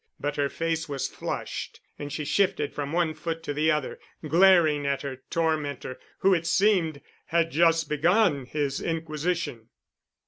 But her face was flushed and she shifted from one foot to the other, glaring at her tormentor, who, it seemed, had just begun his inquisition.